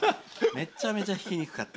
めちゃめちゃ弾きにくかった。